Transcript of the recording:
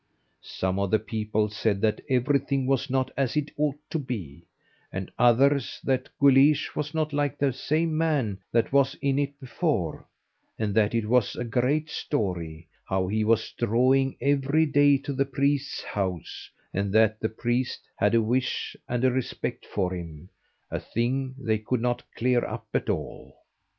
Some of the people said that everything was not as it ought to be, and others, that Guleesh was not like the same man that was in it before, and that it was a great story, how he was drawing every day to the priest's house, and that the priest had a wish and a respect for him, a thing they could not clear up at all.